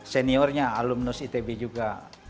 seniornya alumnus itb juga